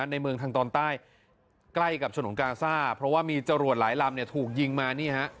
ในเมืองทางตอนใต้ใกล้กับฉนต์กลางซ่าเพราะว่ามีเจ้ารวดหลายลำถูกยิ่งมา